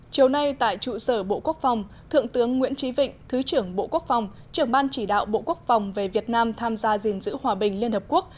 chiều nay tại trụ sở bộ quốc phòng thượng tướng nguyễn trí vịnh thứ trưởng bộ quốc phòng trưởng ban chỉ đạo bộ quốc phòng về việt nam tham gia gìn giữ hòa bình liên hợp quốc